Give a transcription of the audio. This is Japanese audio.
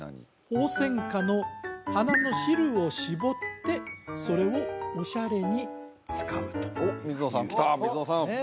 ホウセンカの花の汁をしぼってそれをオシャレに使うとおっ水野さんきた水野さん